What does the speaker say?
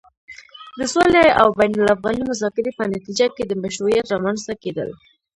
د سولې او بين الافغاني مذاکرې په نتيجه کې د مشروعيت رامنځته کېدل